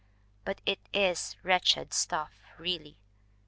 But it is wretched stuff, really.